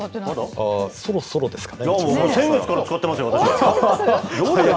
そろそろですかね、うちは。